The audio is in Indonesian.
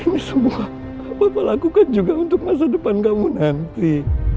ini semua bapak lakukan juga untuk masa depan kamu nanti